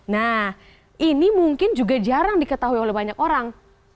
nah ini mungkin juga jarang diketahui oleh banyak orang